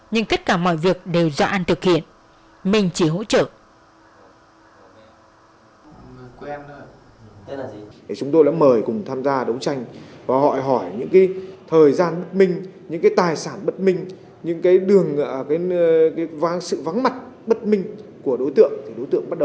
nhưng tất cả mọi việc đều do an thực hiện mình chỉ hỗ trợ